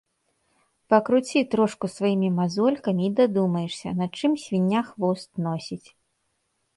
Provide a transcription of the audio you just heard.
Пакруці трошку сваімі мазолькамі й дадумаешся, на чым свіння хвост носіць.